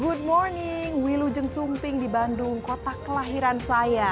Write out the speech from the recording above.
good morning wilujeng sumping di bandung kota kelahiran saya